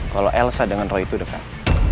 kalau elsa dengan roy itu dekat